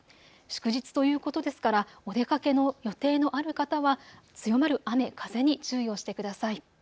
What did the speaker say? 祝日ということですからお出かけの予定のある方は強まる雨、風に注意をしてください。